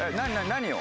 何を？